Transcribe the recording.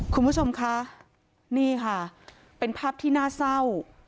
คุณผู้ชมคะนี่ค่ะเป็นภาพที่น่าเศร้า